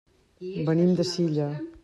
Venim de Silla.